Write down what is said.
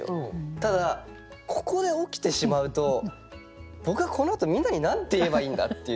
ただここで起きてしまうと僕はこのあとみんなに何て言えばいいんだ？っていう。